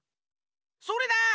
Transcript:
それだ！